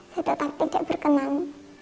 saya tetap tidak berkenan